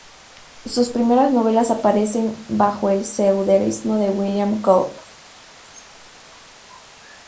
Sus primeras novelas aparecen bajo el seudónimo de William Cobb.